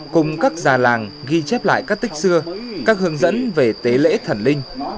cùng các già làng ghi chép lại các tích xưa các hướng dẫn về tế lễ thần linh